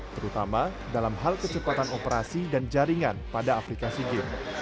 terutama dalam hal kecepatan operasi dan jaringan pada aplikasi game